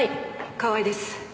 川合です。